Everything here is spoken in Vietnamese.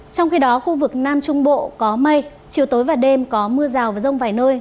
trong khi đó khu vực nam trung bộ có mây chiều tối và đêm có mưa rào và rông vài nơi